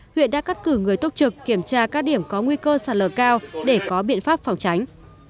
huyện đã cắt cử người tốc trực kiểm tra các điểm có nguy cơ sạt lở cao để có biện pháp phòng tránh